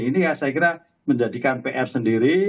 ini yang saya kira menjadikan pr sendiri